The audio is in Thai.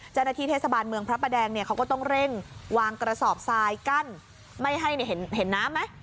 เจ้าหน้าที่เทศบาลเมืองพระประแดงเนี่ยเขาก็ต้องเร่งวางกระสอบทรายกั้นไม่ให้เห็นน้ำไหม